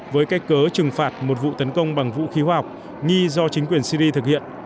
với cách cớ trừng phạt một vụ tấn công bằng vũ khí hóa học nghi do chính quyền syri thực hiện